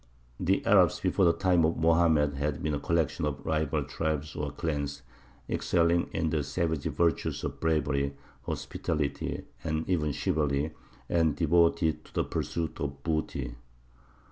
The Arabs before the time of Mohammed had been a collection of rival tribes or clans, excelling in the savage virtues of bravery, hospitality, and even chivalry, and devoted to the pursuit of booty.